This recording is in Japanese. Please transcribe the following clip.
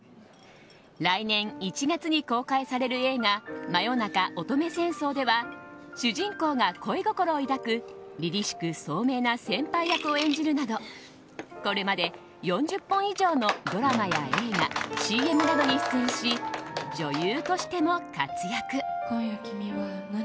来年１月に公開される映画「真夜中乙女戦争」では主人公が恋心を抱く凛々しく聡明な先輩役を演じるなどこれまで４０本以上のドラマや映画ＣＭなどに出演し女優としても活躍。